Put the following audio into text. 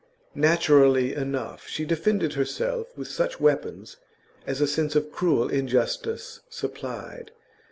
Naturally enough she defended herself with such weapons as a sense of cruel injustice supplied.